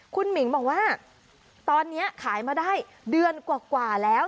คุณหมิงบอกว่าตอนนี้ขายมาได้เดือนกว่าแล้ว